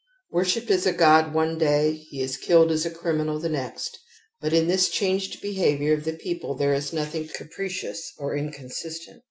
Wor shipped as a god one day, he is killed as a criminal the next. But in this changed behavi our of the people there is nothing capricious or inconsistent.